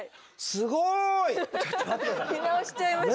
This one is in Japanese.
見直しちゃいました。